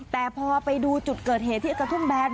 แต่พอไปดูจุดเกิดเหตุที่กระทุ่มแบน